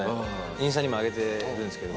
インスタにもあげてるんですけど。